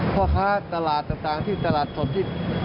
เพราะค้าตลาดต่างที่ตลาดสมทิศ